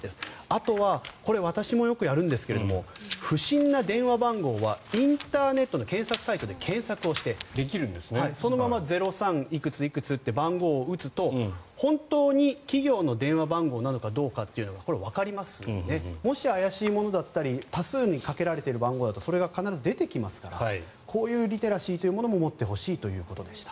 あとはこれ、私もよくやるんですが不審な電話番号はインターネットの検索サイトで検索してそのまま０３いくつって番号を打つと本当に企業の電話番号なのかどうかっていうのがこれ、わかりますのでもし、怪しいものだったり多数にかけられている番号だとそれが必ず出てきますからこういうリテラシーも持ってほしいということでした。